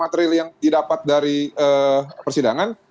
material yang didapat dari persidangan